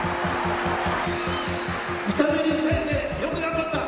痛みに耐えてよく頑張った！